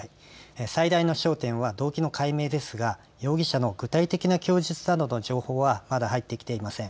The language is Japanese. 最大の焦点は動機の解明ですが容疑者の具体的な供述などの情報はまだ入ってきていません。